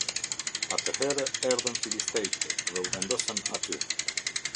Atëherë erdhën Filistejtë dhe u vendosën aty.